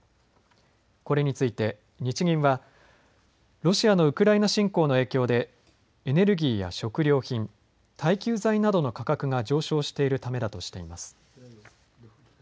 これについて日銀はロシアのウクライナ侵攻の影響でエネルギーや食料品、耐久財などの価格が上昇しているためだとしています。